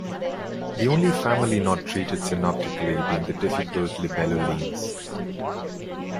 The only family not treated synoptically being the difficult "Libellulines".